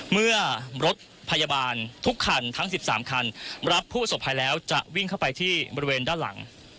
เมื่อรถพยาบาลทุกคันทั้ง๑๓คันรับผู้สบภัยแล้วจะวิ่งเข้าไปที่บริเวณด้านหลัง